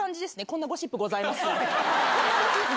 こんなゴシップございます。